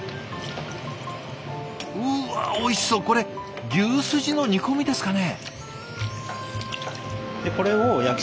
うわおいしそうこれ牛スジの煮込みですかね。